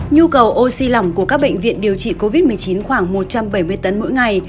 nhu cầu oxy lỏng của các bệnh viện điều trị covid một mươi chín khoảng một trăm bảy mươi tấn mỗi ngày